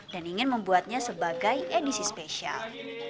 dan ingin membuatnya sebagai edisi spesial